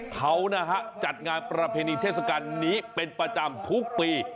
เขานะฮะจัดงานประเพณีเทศกาลนี้เป็นประจำทุกปี